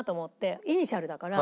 イニシャルだから。